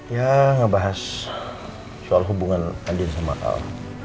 ya ngebahas soal hubungan andin sama kau